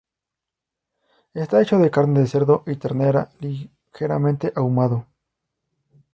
Está hecho de carne de cerdo y ternera, ligeramente ahumado.